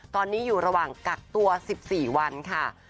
ตอนนี้อยู่ระหว่างกักตัว๑๔วันค่ะ